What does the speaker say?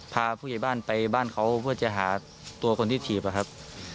พาผู้ใหญ่บ้านไปบ้านเขาเพื่อจะหาตัวคนที่ถีบอะครับ